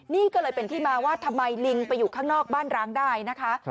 นี่ก็เลยเป็นที่มาว่าทำไมลิงไปอยู่ข้างนอกบ้านร้างได้นะคะ